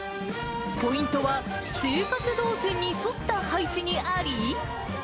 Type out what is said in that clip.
ポイントは、生活動線に沿った配置にあり？